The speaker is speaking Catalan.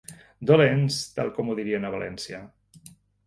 Dolents, tal com ho dirien a València.